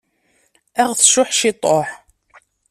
Ad aɣ-tcuḥ ciṭuḥ.